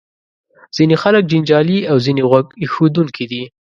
ځینې خلک جنجالي او ځینې غوږ ایښودونکي دي.